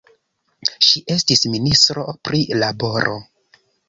Ŝi estis ministro pri laboro.